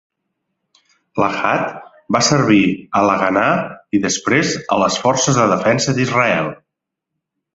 Lahat va servir a l'Haganah i després a les Forces de Defensa d'Israel.